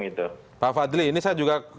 pak fadli ini saya juga